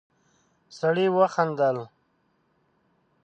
سړی وخندل.